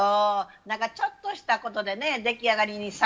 なんかちょっとしたことでね出来上がりに差があるんですよね。